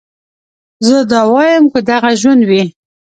زه دا واييم که دغه ژوند وي